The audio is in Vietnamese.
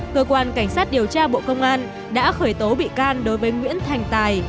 cơ quan cảnh sát điều tra bộ công an đã khởi tố bị can đối với nguyễn thành tài